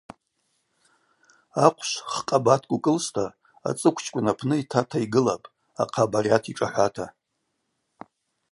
Ахъвшв хкъабаткӏ укӏылста ацӏыквчкӏвын апны йтата йгылапӏ ахъа багъьата йшӏахӏвата.